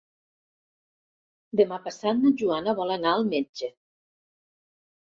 Demà passat na Joana vol anar al metge.